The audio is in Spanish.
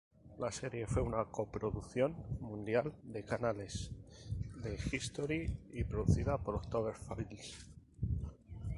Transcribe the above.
La serie fue una co-producción mundial de canales de History producida por October Films.